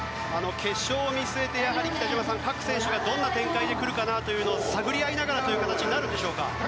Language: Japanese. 決勝を見据えて北島さん、各選手がどんな展開で来るかなというのを探り合いながらとなるでしょうか。